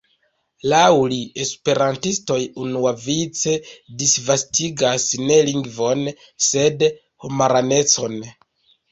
Laŭ li, esperantistoj unuavice disvastigas ne lingvon, sed homaranecon.